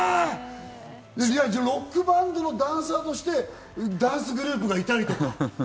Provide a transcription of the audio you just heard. ロックバンドのダンサーとしてダンスグループがいたりとか。